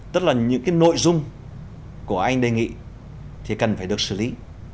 tức là những cái nội dung của anh đề nghị thì cần phải được xử lý